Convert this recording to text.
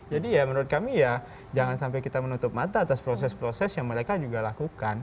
ya menurut kami ya jangan sampai kita menutup mata atas proses proses yang mereka juga lakukan